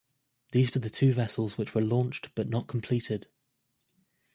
These were the two vessels which were launched but not completed.